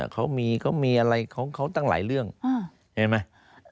เขามีอะไรของเขาตั้งหลายเรื่องเห็นไหม